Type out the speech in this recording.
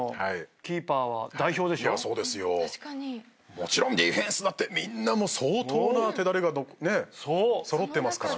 もちろんディフェンスだって相当な手だれが揃ってますからね。